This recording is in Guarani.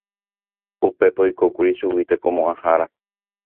Upépe oikókuri chugui Tekomoʼãhára.